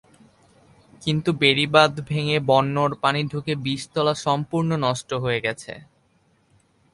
কিন্তু বেড়িবাঁধ ভেঙে বন্যর পানি ঢুকে বীজতলা সম্পূর্ণ নষ্ট হয়ে গেছে।